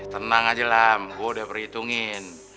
tenang aja lah gue udah perhitungin